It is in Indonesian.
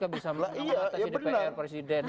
kpk bisa melakukan atasnya dpr presiden